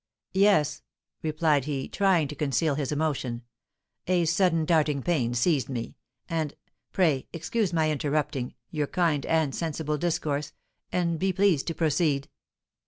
"Yes," replied he, trying to conceal his emotion, "a sudden darting pain seized me, and Pray excuse my interrupting your kind and sensible discourse, and be pleased to proceed."